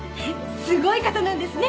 すごい方なんですね。